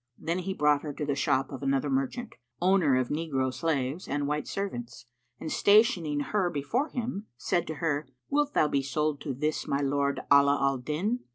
Then he brought her to the shop of another merchant, owner of negro slaves and white servants, and stationing her before him, said to her, "Wilt thou be sold to this my lord 'Alá al Dín?"